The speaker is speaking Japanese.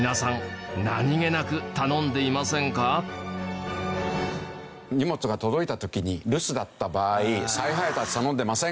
皆さん荷物が届いた時に留守だった場合再配達頼んでいませんか？